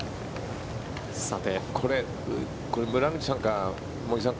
これ、村口さんか茂木さん